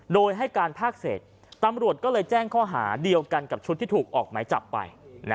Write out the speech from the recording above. โดยให้การภาคเศษตำรวจก็เลยแจ้งข้อหาเดียวกันกับชุดที่ถูกออกหมายจับไป